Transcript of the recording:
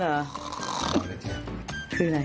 นอนกันเทียบ